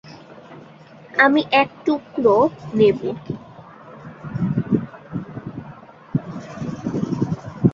আমি এক টুকরো নেবো।